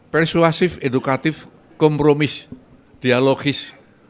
persuasif edukatif kompromis dialogis